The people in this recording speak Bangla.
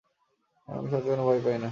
আমি শয়তানকে ভায় পাই না।